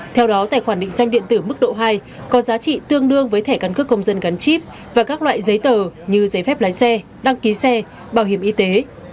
theo đó tài khoản định danh điện tử mức độ hai có giá trị tương đương với thẻ căn cước công dân gắn chip và các loại giấy tờ như giấy phép lái xe đăng ký xe bảo hiểm y tế